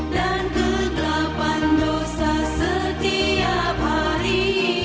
dan kegelapan dosa setiap hari